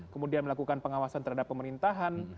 kemudian melakukan pengawasan terhadap pemerintahan